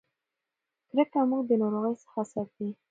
کرکه موږ د ناروغۍ څخه ساتي.